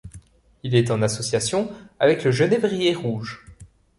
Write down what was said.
Il est en association avec le genévrier rouge.